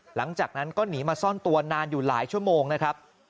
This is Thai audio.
หลังจากนั้นก็หนีมาซ่อนตัวนานอยู่หลายชั่วโมงนะครับ